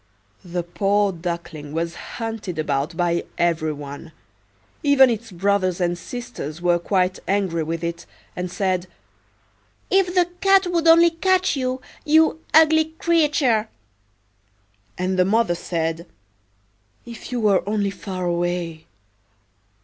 The poor Duckling was hunted about by every one; even its brothers and sisters were quite angry with it, and said, "If the cat would only catch you, you ugly creature!" And the mother said, "If you were only far away!"